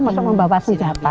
maksudnya membawa senjata